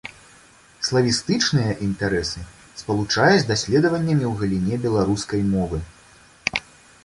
Славістычныя інтарэсы спалучае з даследаваннямі ў галіне беларускай мовы.